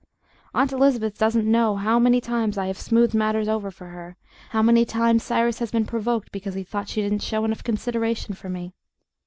Aunt Elizabeth doesn't know how many times I have smoothed matters over for her, how many times Cyrus has been provoked because he thought she didn't show enough consideration for me.